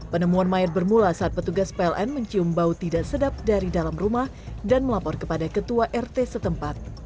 penemuan mayat bermula saat petugas pln mencium bau tidak sedap dari dalam rumah dan melapor kepada ketua rt setempat